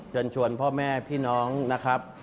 เชิญชวนพ่อแม่พี่น้องนะครับ